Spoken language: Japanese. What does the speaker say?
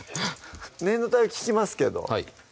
念のため聞きますけどはい